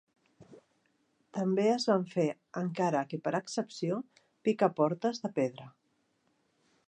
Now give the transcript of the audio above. També es van fer, encara que per excepció, picaportes de pedra.